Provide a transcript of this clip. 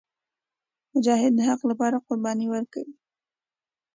مجاهد د حق لپاره قرباني ورکوي.